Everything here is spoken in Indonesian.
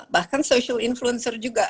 bahkan social influencer juga